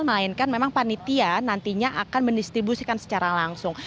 melainkan memang panitia nantinya akan mendistribusikan secara langsung